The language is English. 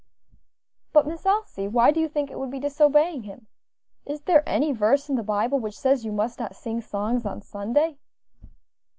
"But, Miss Elsie, why do you think it would be disobeying Him? Is there any verse in the Bible which says you must not sing songs on Sunday?"